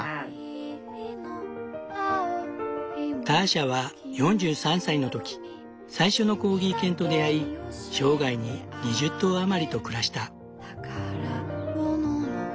ターシャは４３歳の時最初のコーギー犬と出会い生涯に２０頭余りと暮らした。